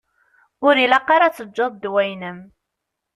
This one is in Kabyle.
Ur ilaq ara ad teǧǧeḍ ddwa-inem.